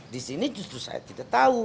disini justru saya tidak tahu